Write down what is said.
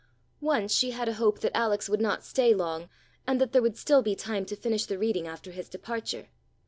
Once she had a hope that Alex would not stay long and that there would still be time to finish the reading after his departure.